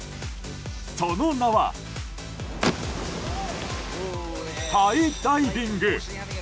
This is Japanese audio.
その名は、ハイダイビング。